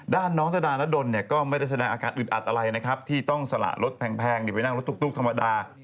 ด้านน้องธดานดลก็ไม่ได้แสดงอาการอึดอัดอะไรนะครับที่ต้องสละรถแพงไปนั่งรถตุ๊กธรรมดา